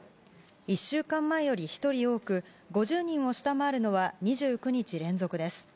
１週間前より１人多く５０人を下回るのは２９日連続です。